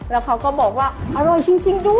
แล้วเขาก็บอกว่าอร่อยจริงด้วย